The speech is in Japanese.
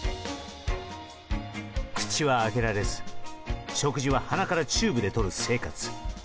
口は開けられず、食事は鼻からチューブでとる生活。